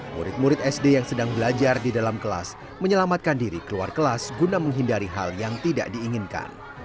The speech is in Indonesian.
murid murid sd yang sedang belajar di dalam kelas menyelamatkan diri keluar kelas guna menghindari hal yang tidak diinginkan